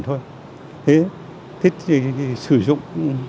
thế thì sử dụng